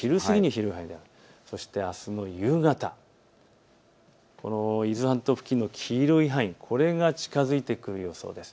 そしてあすの夕方、伊豆半島付近の黄色い範囲、これが近づいてくる予想です。